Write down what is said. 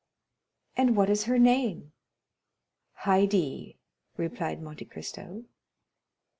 "And what is her name?" "Haydée," replied Monte Cristo.